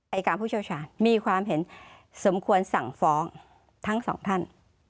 อายการผู้เชี่ยวชาญมีความเห็นสมควรสั่งฟ้องทั้งสองท่าน